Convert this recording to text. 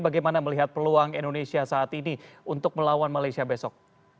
bagaimana melihat peluang indonesia saat ini untuk melawan malaysia besok